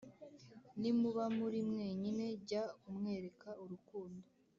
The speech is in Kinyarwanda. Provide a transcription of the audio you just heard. nimuba muri mwenyine jya umwereka urukundo